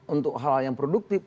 untuk hal hal yang produktif